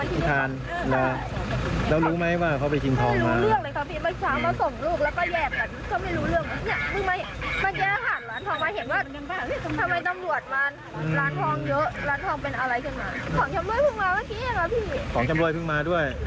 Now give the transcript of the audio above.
พี่ทานแล้วรู้ไหมว่าเขาไปชิงทองมา